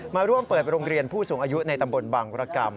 มาร่วมเปิดโรงเรียนผู้สูงอายุในตำบลบังรกรรม